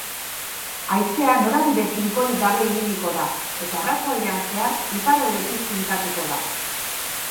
Haizea norabide finkorik gabe ibiliko da, eta arratsaldean zehar iparraldetik finkatuko da.